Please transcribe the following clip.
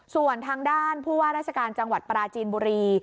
ส่วนทางด้านผู้ว่าราชการจังหวัดปราจีนบุรี